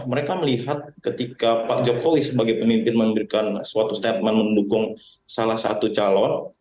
mereka melihat ketika pak jokowi sebagai pemimpin memberikan suatu statement mendukung salah satu calon